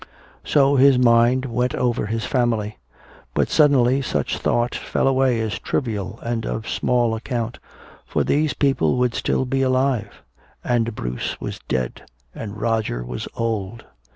So his mind went over his family. But suddenly such thoughts fell away as trivial and of small account. For these people would still be alive. And Bruce was dead, and Roger was old.